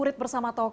untuk peristiwa dijaga